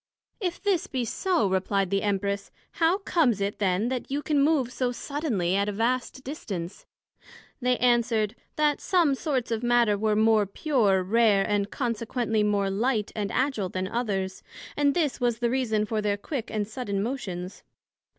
If this be so, replied the Empress, How comes it then that you can move so suddenly at a vast distance? They answered, That some sorts of matter were more pure, rare, and consequently more light and agil then others; and this was the reason for their quick and sudden motions.